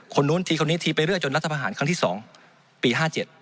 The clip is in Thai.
คนโน้นคนนี้ทีไปเรือกจนราชประหลาดครั้งที่๒ปี๕